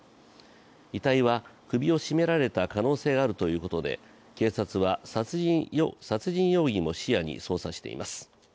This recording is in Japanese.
遺体は首を絞められた可能性があるということで警察は殺人容疑も視野に捜査しています。